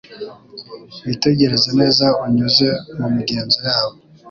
Witegereze neza unyuze mumigenzo yabo